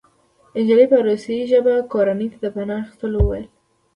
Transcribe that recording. نجلۍ په روسي ژبه خپلې کورنۍ ته د پناه اخیستلو وویل